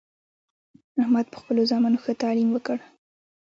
احمد په خپلو زامنو ښه تعلیم وکړ